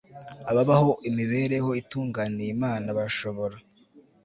Ababaho imibereho itunganiye Imana bashobora